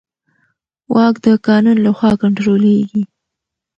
واک د قانون له خوا کنټرولېږي.